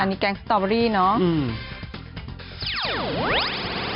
อันนี้แก๊งสตรอเบอรี่เนาะ